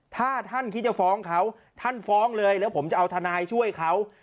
ถ้าท่านคิดจะฟ้องเขาท่านฟ้องเลยแล้วผมจะเอาทนายช่วยเขา